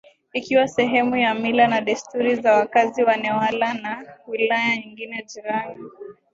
ikiwa sehemu ya mila na desturi za wakazi wa Newala na wilaya nyingine jirani